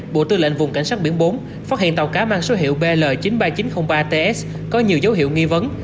bộ tư lệnh vùng cảnh sát biển bốn phát hiện tàu cá mang số hiệu bl chín mươi ba nghìn chín trăm linh ba ts có nhiều dấu hiệu nghi vấn